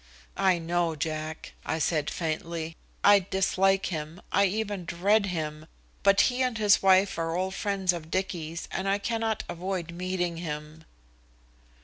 "I know, Jack," I said faintly. "I dislike him, I even dread him, but he and his wife are old friends of Dicky's and I cannot avoid meeting him."